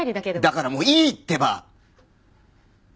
だからもういいってば！